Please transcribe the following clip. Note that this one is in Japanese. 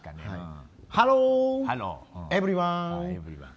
ハローエブリワン！